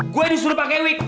gue disuruh pake wig